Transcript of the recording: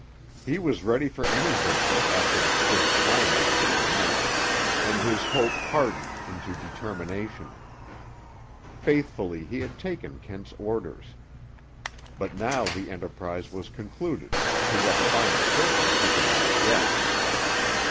He was ready for any venture after the swift climax of the night, and his hope hardened into determination. Faithfully he had taken Kent's orders. But now the enterprise was concluded, to what final purpose he could not guess.